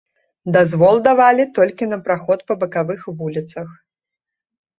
Дазвол давалі толькі на праход па бакавых вуліцах.